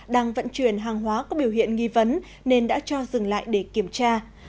đang vận chuyển hàng hóa có biểu hiện nghi vấn nên đã cho dừng lại để kiểm tra